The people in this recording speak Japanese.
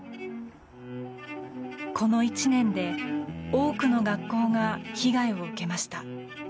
この１年で、多くの学校が被害を受けました。